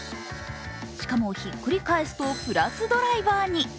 しかも、ひっくり返すとプラスドライバーに。